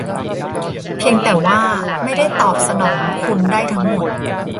เพียงแต่ว่าไม่ได้ตอบสนองคุณได้ทั้งหมด